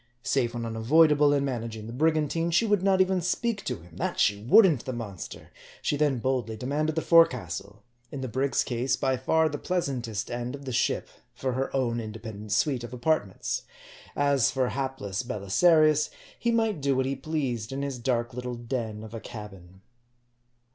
Save when unavoidable in managing the brigantine, she would not even speak to him, that she wouldn't, the monster ! She then boldly demanded the forecastle in the brig's case, by far the pleasantest end of the ship for her own independent suite of apartments. As for hapless Bel 100 MARDI. isarius, he might do what he pleased in his dark little den of a cabin.